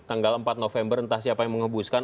tanggal empat november entah siapa yang mengebuskan